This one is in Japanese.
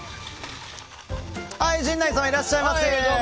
陣内さん、いらっしゃいませ。